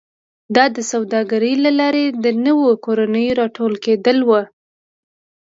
دا د سوداګرۍ له لارې د نویو کورنیو راټوکېدل و